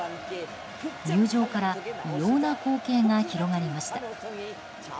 入場から異様な光景が広がりました。